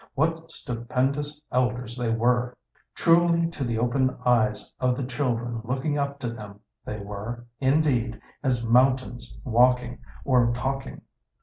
What stupendous elders they were! Truly to the opened eyes of the children looking up to them they were, indeed, as mountains walking or talking.